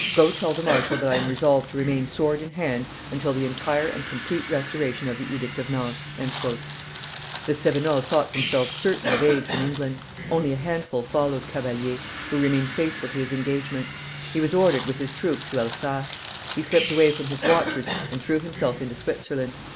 Go tell the marshal that I am resolved to remain sword in hand until the entire and complete restoration of the Edict of Nantes!" The Cevenols thought themselves certain of aid from England; only a handful followed Cavalier, who remained faithful to his engagements. He was ordered with his troop to Elsass; he slipped away from his watchers and threw himself into Switzerland.